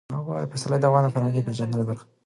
پسرلی د افغانانو د فرهنګي پیژندنې برخه ده.